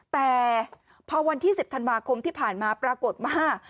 แต่พอวันที่๑๐ธันวาคมที่ผ่านมาปรากฏว่า